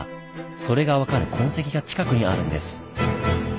それが分かる痕跡が近くにあるんです。